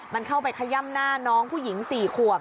มันเข้าไปขย่ำหน้าน้องผู้หญิง๔ขวบ